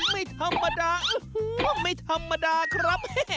ไม่ธรรมดาไม่ธรรมดาครับ